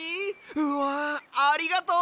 うわありがとう！